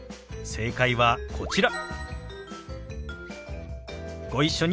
正解はこちら。